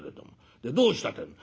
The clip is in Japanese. でどうしたってえんだ」。